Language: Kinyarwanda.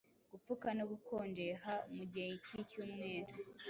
Gupfuka no gukonjeha mugihe cyicyumweru